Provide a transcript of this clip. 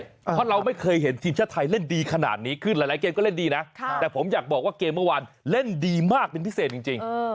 เพราะเราไม่เคยเห็นทีมชาติไทยเล่นดีขนาดนี้ขึ้นหลายเกมก็เล่นดีนะแต่ผมอยากบอกว่าเกมเมื่อวานเล่นดีมากเป็นพิเศษจริง